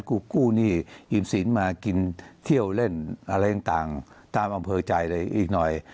กู้กู้หนี้อิ่มศีลมากินเที่ยวเล่นอะไรต่างตามอำเภอใจเลยอีกหน่อย